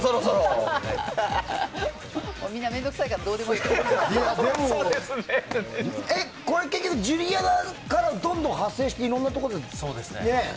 みんな、面倒くさいから結局、ジュリアナからどんどん派生していろんなところでね。